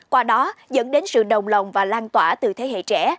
qua đó dẫn đến sự đồng lòng và lan tỏa từ thế hệ trẻ